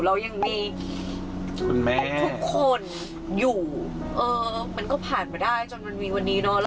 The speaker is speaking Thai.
เรายังมีคุณแม่ทุกคนอยู่เออมันก็ผ่านมาได้จนมันมีวันนี้เนอะ